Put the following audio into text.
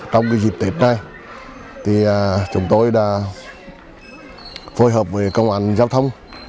trong dịp tết này chúng tôi đã phối hợp với công an giao thông